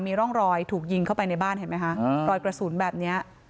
มีร่องรอยถูกยิงเข้าไปในบ้านเห็นไหมคะรอยกระสุนแบบนี้